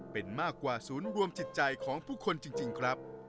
เป็นมากกว่าศูนย์รวมจิตใจของผู้คนจริงครับ